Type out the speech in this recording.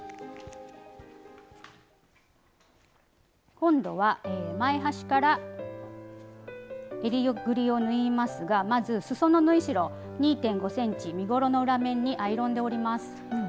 今度は前端からえりぐりを縫いますがまずすその縫い代２．５ｃｍ身ごろの裏面にアイロンで折ります。